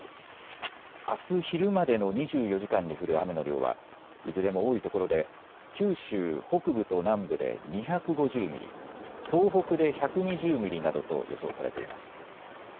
あす昼までの２４時間に降る雨の量はいずれも多いところで九州北部と南部で２５０ミリ、東北で１２０ミリなどと予想されています。